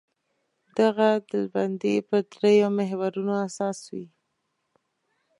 دغه ډلبندي پر درېیو محورونو اساس وي.